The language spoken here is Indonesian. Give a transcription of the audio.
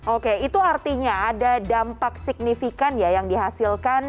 oke itu artinya ada dampak signifikan ya yang dihasilkan